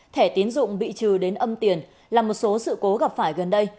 thẻ tiến dụng bị trừ đến âm tiền là một số sự cố gặp phải gần đây